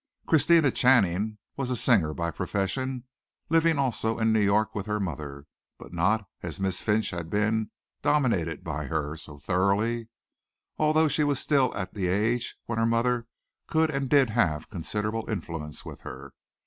Christina Channing was a singer by profession, living also in New York with her mother, but not, as Miss Finch had been, dominated by her so thoroughly, although she was still at the age when her mother could and did have considerable influence with her.